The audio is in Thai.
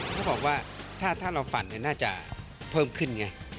เขาบอกว่าถ้าเราฝันน่าจะเพิ่มขึ้นไง